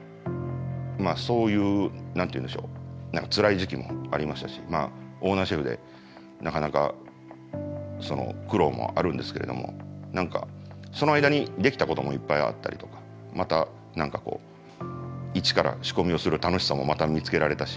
そういう何て言うんでしょうつらい時期もありましたしオーナーシェフでなかなか苦労もあるんですけれども何かその間にできたこともいっぱいあったりとかまた何か一から仕込みをする楽しさもまた見つけられたし。